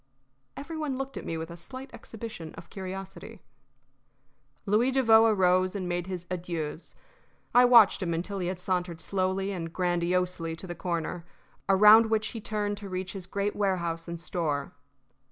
Every one looked at me with a slight exhibition of curiosity. Louis Devoe arose and made his adieus. I watched him until he had sauntered slowly and grandiosely to the corner, around which he turned to reach his great warehouse and store.